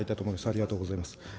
ありがとうございます。